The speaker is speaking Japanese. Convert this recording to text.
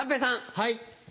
はい。